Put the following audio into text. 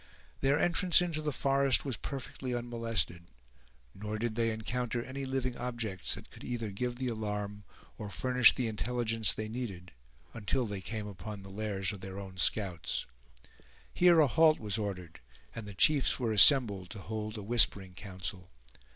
Their entrance into the forest was perfectly unmolested; nor did they encounter any living objects that could either give the alarm, or furnish the intelligence they needed, until they came upon the lairs of their own scouts. Here a halt was ordered, and the chiefs were assembled to hold a "whispering council."